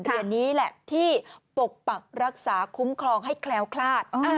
เหรียญนี้แหละที่ปกปักรักษาคุ้มครองให้แคล้วคลาด